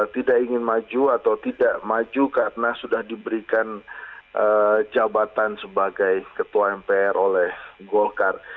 tidak ingin maju atau tidak maju karena sudah diberikan jabatan sebagai ketua mpr oleh golkar